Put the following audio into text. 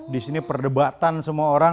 di sini perdebatan semua orang